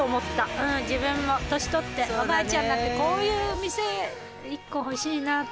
うん自分も年とっておばあちゃんになってこういう店一個欲しいなと思っちゃった。